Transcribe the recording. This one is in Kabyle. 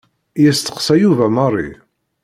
Yesteqsa Yuba Mary.